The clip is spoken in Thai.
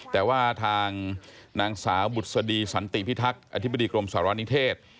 แต่ว่าทางนางสาวบุษดีสันติพิทักษ์อธิบดีกรมสารณิเทศ